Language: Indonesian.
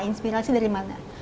inspirasi dari mana